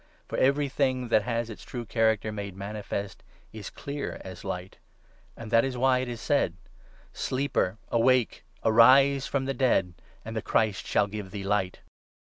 For everything that has its true character made manifest is clear as light. And that is why it is said — 14 * Sleeper, awake ! Arise from the dead, And the Christ shall give thee light